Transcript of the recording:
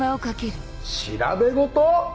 調べ事